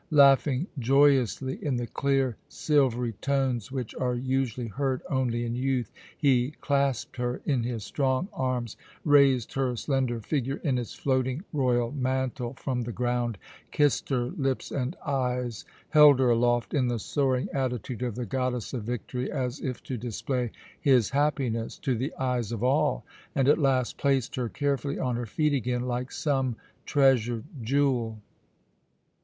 Laughing joyously in the clear, silvery tones which are usually heard only in youth, he clasped her in his strong arms, raised her slender figure in its floating royal mantle from the ground, kissed her lips and eyes, held her aloft in the soaring attitude of the Goddess of Victory, as if to display his happiness to the eyes of all, and at last placed her carefully on her feet again like some treasured jewel.